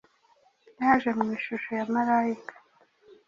yaje mu ishusho ya Malayika